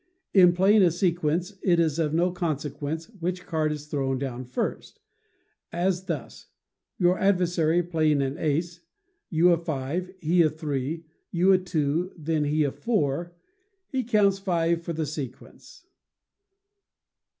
In playing a sequence, it is of no consequence which card is thrown down first; as thus: your adversary playing an ace, you a five, he a three, you a two, then he a four he counts five for the sequence.